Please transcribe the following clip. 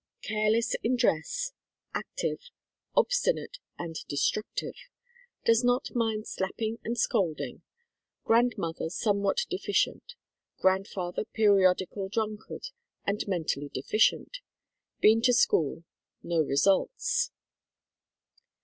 Careless in dress. Active. Obstinate and destructive. Does not mind slapping and scolding. Grandmother somewhat de ficient. Grandfather periodical drunkard and men tally deficient. Been to school. No results.